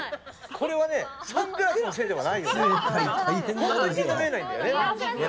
これはサングラスのせいではないです。